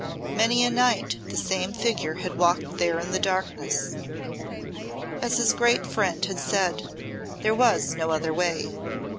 Many a night the same figure had walked there in the darkness. As his great friend had said, there was no other way.